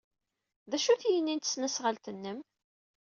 D acu-t yini n tesnasɣalt-nnem?